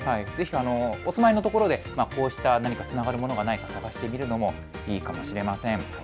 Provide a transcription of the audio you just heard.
ぜひ、お住まいの所で、こうした何かつながるものがないか探してみるのもいいかもしれません。